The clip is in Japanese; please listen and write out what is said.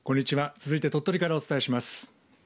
続いて鳥取からお伝えします。